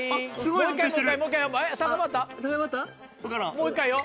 もう一回よ。